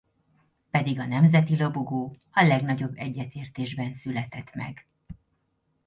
Pedig a nemzeti lobogó a legnagyobb egyetértésben született meg.